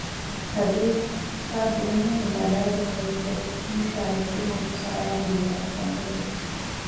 ތަދުވިތަ؟ ސާ ބުނަމެއްނު ބަލައިގެން އުޅެއްޗޭ! މީޝާ ވެއްޓުމުން ސާރާ ހުރީ ވަރަށް ކަންބޮޑުވެފަ